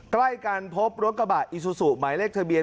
ใกล้กันพบรถกระบะอิซูซูหมายเลขทะเบียน